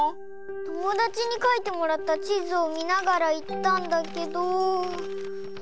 ともだちにかいてもらったちずをみながらいったんだけど。